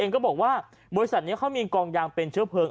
ก็บอกว่าบริษัทนี้เขามีกองยางเป็นเชื้อเพลิง